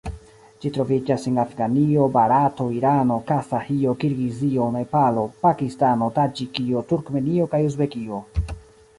Ĝi troviĝas en Afganio, Barato, Irano, Kazaĥio, Kirgizio, Nepalo, Pakistano, Taĝikio, Turkmenio kaj Uzbekio.